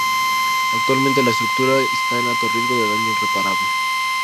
Actualmente la estructura está en alto riesgo de "daño irreparable".